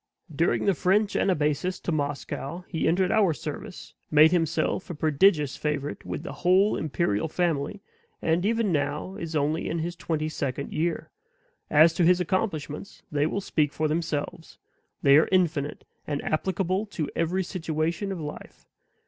During the French anabasis to Moscow he entered our service, made himself a prodigious favorite with the whole imperial family, and even now is only in his twenty second year. As to his accomplishments, they will speak for themselves; they are infinite, and applicable to every situation of life.